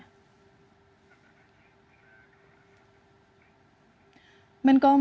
kementerian komunikasi dan informatika pun mengaku sudah mendapat laporan dan segera akan menindak lanjutinya